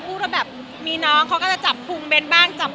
เพราะว่ายังไงเป็นความมีปัญหาต่อมาแล้วเหมือนกันนะคะ